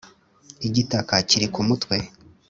igitaka kiri ku mutwe.